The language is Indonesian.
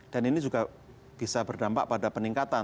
dan ini juga bisa berdampak pada peningkatan